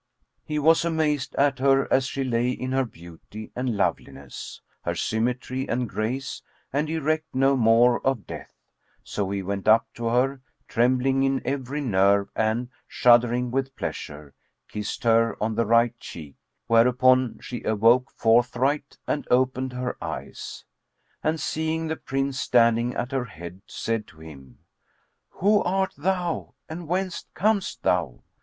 He was amazed at her as she lay in her beauty and loveliness, her symmetry and grace, and he recked no more of death. So he went up to her, trembling in every nerve and, shuddering with pleasure, kissed her on the right cheek; whereupon she awoke forthright and opened her eyes, and seeing the Prince standing at her head, said to him, "Who art thou and whence comest thou?"